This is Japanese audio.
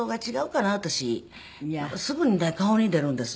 すぐにね顔に出るんです。